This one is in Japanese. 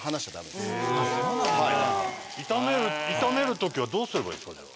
炒めるときはどうすればいいですかじゃあ。